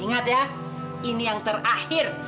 ingat ya ini yang terakhir